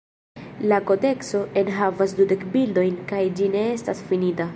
La kodekso enhavas dudek bildojn kaj ĝi ne estas finita.